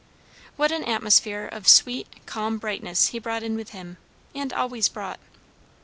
What an atmosphere of sweet, calm brightness he brought in with him, and always brought.